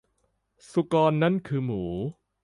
สุกรนั้นคือหมู